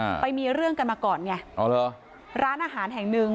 ไปมีเรื่องกันมาก่อนไงอ๋อเหรอร้านอาหารแห่งหนึ่ง